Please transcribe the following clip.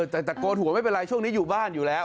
แต่ตะโกนหัวไม่เป็นไรช่วงนี้อยู่บ้านอยู่แล้ว